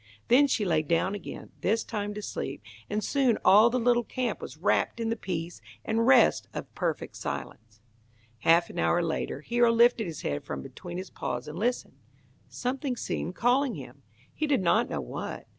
Then she lay down again, this time to sleep, and soon all the little camp was wrapped in the peace and rest of perfect silence. Half an hour later Hero lifted his head from between his paws and listened. Something seemed calling him. He did not know what.